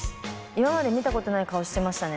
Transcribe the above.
今まで見たことない顔してましたね。